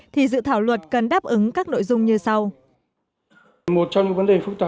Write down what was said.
thì dự thảo luật cần đáp ứng các nội dung như sau